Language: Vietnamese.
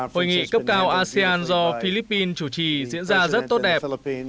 hội nghị cấp cao asean do philippines chủ trì diễn ra rất tốt đẹp